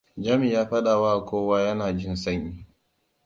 Jami ya faɗawa kowa yana jin sanyi.